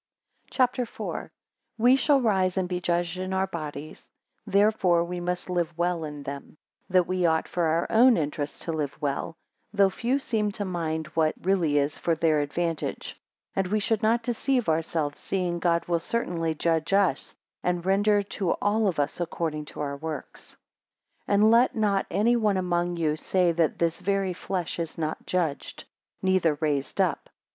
CHAPTER IV. We shall rise, and be judged, in our bodies; therefore we must live well in them; 6 that we ought, for our own interest, to live well; though few seem to mind what, really is for their advantage; 10 and we should not deceive ourselves: seeing God will certainly judge us, and render to all of us according to our works. AND let not any one among you say, that this very flesh is not judged, neither raised up.